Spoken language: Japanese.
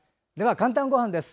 「かんたんごはん」です。